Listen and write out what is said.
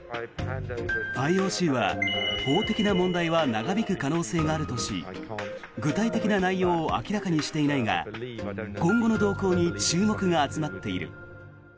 ＩＯＣは法的な問題は長引く可能性があるとし具体的な内容を明らかにしていないが今後の動向に注目が集まっている。